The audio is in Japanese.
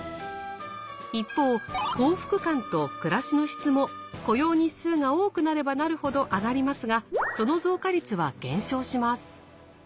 一方幸福感と暮らしの質も雇用日数が多くなればなるほど上がりますがその増加率は減少します。